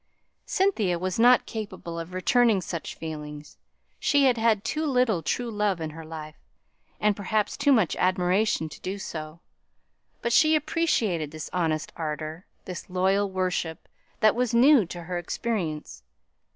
Cynthia was not capable of returning such feelings; she had had too little true love in her life, and perhaps too much admiration to do so; but she appreciated this honest ardour, this loyal worship that was new to her experience.